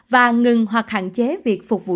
và ngừng hoặc hạn chế việc phục vụ rượu